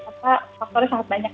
karena faktornya sangat banyak